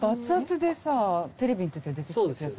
熱々でさテレビのときは。